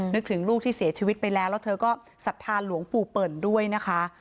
นึกถึงลูกที่เสียชีวิตไปแล้วแล้วเธอก็ศรัทธาหลวงปู่เปิ่นด้วยนะคะ